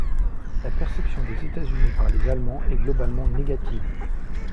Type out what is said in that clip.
La perception des États-Unis par les Allemands est globalement négative.